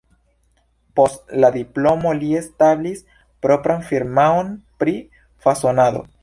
Post la diplomo li establis propran firmaon pri fasonado.